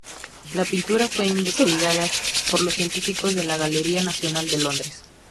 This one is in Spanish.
La pintura fue investigada por los científicos de la Galería Nacional de Londres.